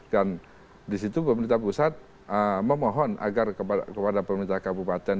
dan di situ pemerintah pusat memohon agar kepada pemerintah kabupaten